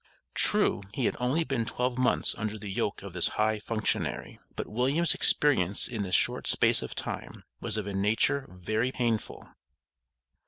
True, he had only been twelve months under the yoke of this high functionary. But William's experience in this short space of time, was of a nature very painful.